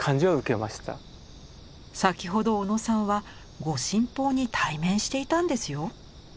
先ほど小野さんは御神宝に対面していたんですよ。